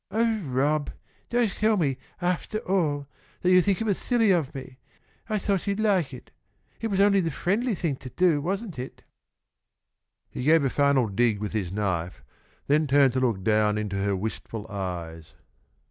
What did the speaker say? "Oh, Rob, don't tell me, aftah all, that you think it was silly of me! I thought you'd like it! It was only the friendly thing to do, wasn't it?" He gave a final dig with his knife, then turned to look down into her wistful eyes.